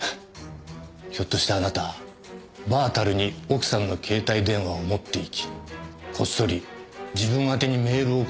ひょっとしてあなたバー樽に奥さんの携帯電話を持っていきこっそり自分あてにメールを送ったんじゃないですか？